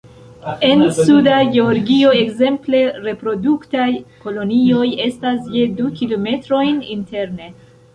En Suda Georgio, ekzemple, reproduktaj kolonioj estas je du kilometrojn interne.